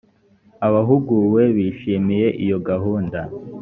abahuguwe bishimiye iyo gahunda